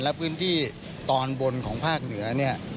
และพื้นที่ตอนบนของภาคเหนือเนี่ย